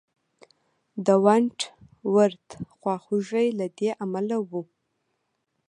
د ونټ ورت خواخوږي له دې امله وه.